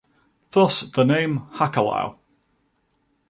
Thus, the name Hakalau.